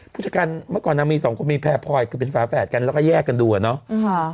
ผู้จัดการเมื่อก่อนนางมีสองคนมีแพรพลอยคือเป็นฝาแฝดกันแล้วก็แยกกันดูอ่ะเนาะ